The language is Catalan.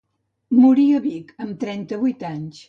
Morí a Vic, amb trenta-vuit anys.